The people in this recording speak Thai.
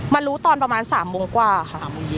รู้ตอนประมาณ๓โมงกว่าค่ะ